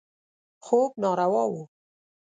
خوب ناروا و.